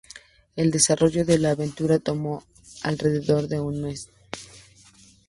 El desarrollo de la aventura tomó alrededor de un mes.